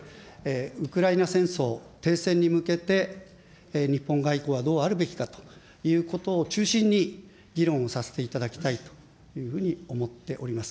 ウクライナ戦争停戦に向けて、日本外交はどうあるべきかということを中心に議論をさせていただきたいというふうに思っております。